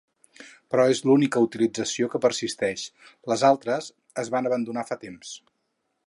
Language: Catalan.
Però és l’única utilització que persisteix: les altres es van abandonar fa temps.